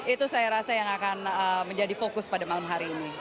itu saya rasa yang akan menjadi fokus pada malam hari ini